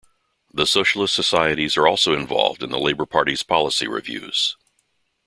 The socialist societies are also involved in the Labour Party's policy reviews.